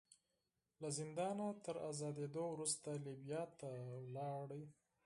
له زندانه تر ازادېدو وروسته لیبیا ته لاړ.